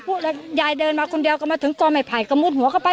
พี่นางก็ไหวเดินมาคนเดียวกลัวทรงกลวงใหม่ผ่ายก็มูดหัวกลับไป